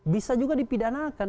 bisa juga dipidanakan